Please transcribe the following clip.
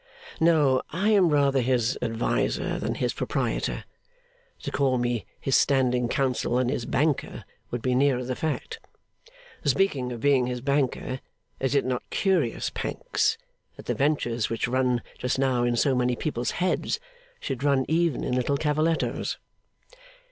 No! I am rather his adviser than his proprietor. To call me his standing counsel and his banker would be nearer the fact. Speaking of being his banker, is it not curious, Pancks, that the ventures which run just now in so many people's heads, should run even in little Cavalletto's?